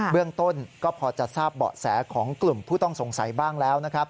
เรื่องต้นก็พอจะทราบเบาะแสของกลุ่มผู้ต้องสงสัยบ้างแล้วนะครับ